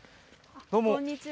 どうもこんにちは。